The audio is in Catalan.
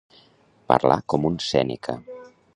Parlar com un Sèneca.